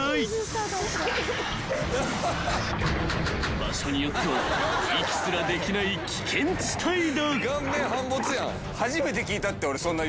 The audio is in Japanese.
［場所によっては息すらできない危険地帯だ］